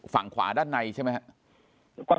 ฝั่งขวาด้านในใช่ไหมครับ